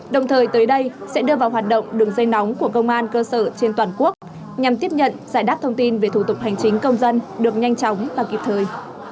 đồng thời tới đây sẽ đưa vào hoạt động đường dây nóng của công an cơ sở trên toàn quốc nhằm tiếp nhận giải đáp thông tin về thủ tục hành chính công dân được nhanh chóng và kịp thời